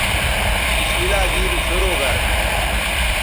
بسم اللہ گیری شرو گر